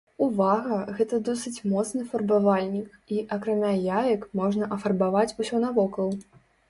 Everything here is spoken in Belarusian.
Увага, гэта досыць моцны фарбавальнік і, акрамя яек, можна афарбаваць усё навокал.